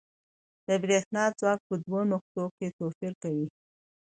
د برېښنا ځواک په دوو نقطو کې توپیر کوي.